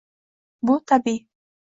Bu tabiiy